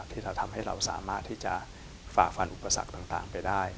ที่เราทำให้เราสามารถที่จะฝ่าฟันอุปสรรคต่างไปได้